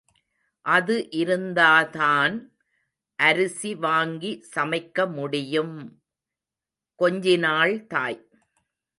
அது இருந்தாதான் அரிசி வாங்கி சமைக்க முடியும்... கொஞ்சினாள் தாய்.